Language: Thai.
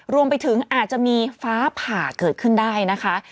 รวมไปถึงอาจจะมีฟ้าผ่าเกิดขึ้นได้นะคะ